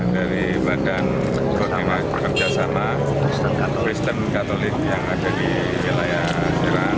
dari badan pekerja sana kristen katolik yang ada di wilayah serang